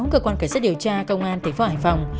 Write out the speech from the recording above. nhà hạnh đối tin báo c wand cả sát điều tra công an tp hải phòng